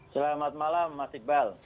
selamat malam mas iqbal